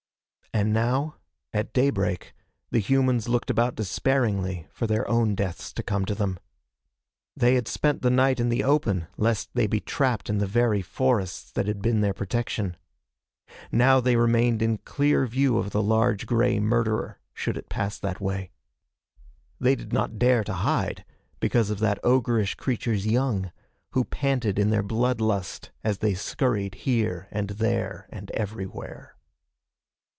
And now, at daybreak, the humans looked about despairingly for their own deaths to come to them. They had spent the night in the open lest they be trapped in the very forests that had been their protection. Now they remained in clear view of the large gray murderer should it pass that way. They did not dare to hide because of that ogreish creature's young, who panted in their blood lust as they scurried here and there and everywhere.